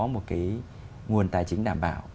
một cái nguồn tài chính đảm bảo